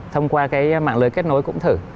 thông qua mạng lưới kết nối cũng thử